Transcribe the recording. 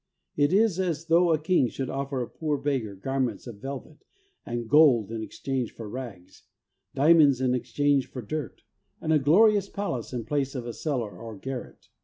It is as though a king should offer a poor beggar garments of velvet and gold in exchange for rags, diamonds in exchange for dirt, and a glorious palace in place of a cellar or garret.